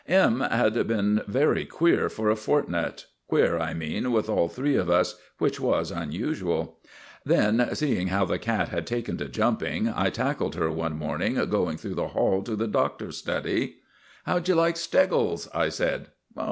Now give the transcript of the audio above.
M. had been very queer for a fortnight queer, I mean, with all three of us which was unusual. Then, seeing how the cat had taken to jumping, I tackled her one morning going through the hall to the Doctor's study. "How d'you like Steggles?" I said.